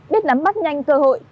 biết nắm bắt nhanh cơ hội